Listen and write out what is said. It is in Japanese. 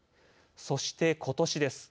そして、ことしです。